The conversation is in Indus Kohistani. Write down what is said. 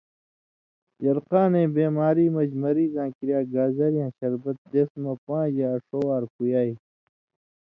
یرقان بیماری مژ مریضاں کریا گازریاں شربت دیس مہ پاݩژ یا ݜو وار پویائ